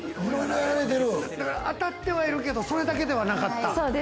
だから当たってはいるけど、それだけではなかった。